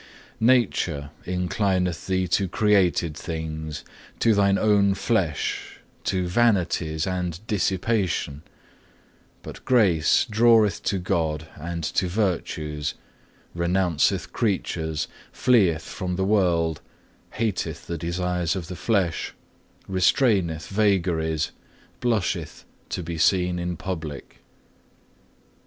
11. "Nature inclineth thee to created things, to thine own flesh, to vanities and dissipation; but Grace draweth to God and to virtues, renounceth creatures, fleeth from the world, hateth the desires of the flesh, restraineth vagaries, blusheth to be seen in public.